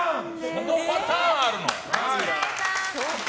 そのパターンあるの？